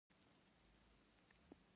وړاندې یوه ویاله وه، چې سیند ته ور بهېدل.